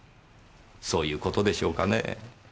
そういう事でしょうかねぇ。